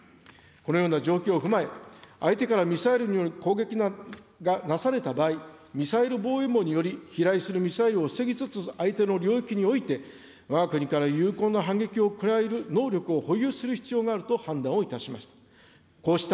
このような状況を踏まえ、相手からミサイルによる攻撃がなされた場合、ミサイル防衛網により飛来するミサイルを防ぎつつ、相手の領域においてわが国から有効な反撃を加える能力を保有する必要があると判断をいたしました。